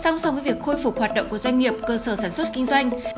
song song với việc khôi phục hoạt động của doanh nghiệp cơ sở sản xuất kinh doanh